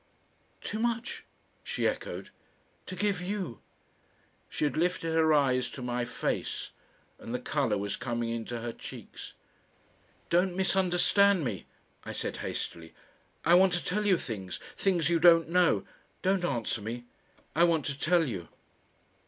"Too much!" she echoed, "to give you!" She had lifted her eyes to my face and the colour was coming into her cheeks. "Don't misunderstand me," I said hastily. "I want to tell you things, things you don't know. Don't answer me. I want to tell you."